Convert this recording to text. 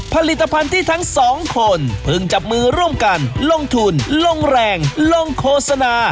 ผลิตภัณฑ์ที่ทั้งสองคนเพิ่งจับมือร่วมกันลงทุนลงแรงลงโฆษณา